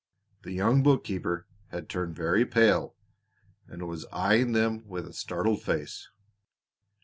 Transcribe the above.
The young bookkeeper had turned very pale and was eying them with a startled face.